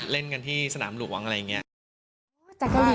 เล่นกันที่สนามหลวงอะไรอย่างนี้